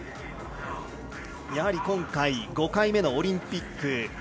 今回５回目のオリンピック。